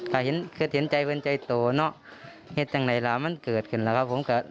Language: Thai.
ก็เห็นเคยเห็นใจเป็นใจโตเนอะเหตุจังไหนล่ะมันเกิดขึ้นแล้วครับผมก็